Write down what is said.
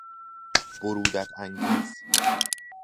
برودت انگیز